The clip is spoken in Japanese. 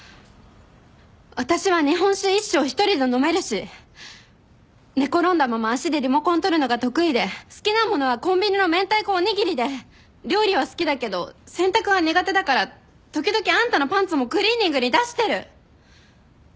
私は日本酒一升１人で飲めるし寝転んだまま足でリモコン取るのが得意で好きな物はコンビニのめんたいこおにぎりで料理は好きだけど洗濯は苦手だから時々あんたのパンツもクリーニングに出してる。